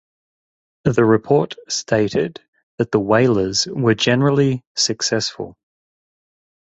The report stated that the whalers where "generally successful".